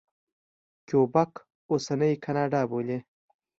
کیوبک اوسنۍ کاناډا بولي.